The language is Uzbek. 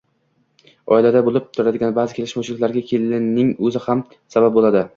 Oilada bo‘lib turadigan ba’zi kelishmovchiliklarga kelinning o‘zi ham sabab bo‘ladi.